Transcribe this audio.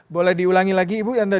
boleh diulangi lagi ibu